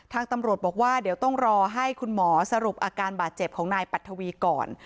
ทางตำรวจบอกว่าเดี๋ยวต้องรอให้คุณหมอสรุปอาการบาดเจ็บของนายปัทวีก่อน